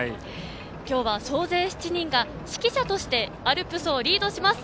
今日は総勢７人が指揮者としてアルプスをリードします！